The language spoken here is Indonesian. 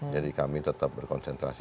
jadi kami tetap berkonsentrasi